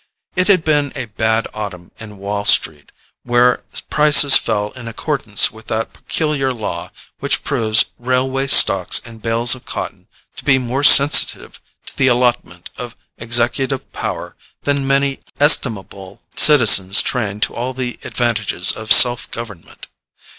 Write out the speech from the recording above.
It had been a bad autumn in Wall Street, where prices fell in accordance with that peculiar law which proves railway stocks and bales of cotton to be more sensitive to the allotment of executive power than many estimable citizens trained to all the advantages of self government.